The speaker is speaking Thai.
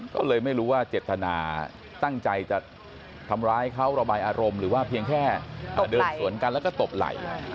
ก็เลยไม่รู้ว่าเจตนาตั้งใจจะทำร้ายเขาระบายอารมณ์หรือว่าเพียงแค่เดินสวนกันแล้วก็ตบไหล่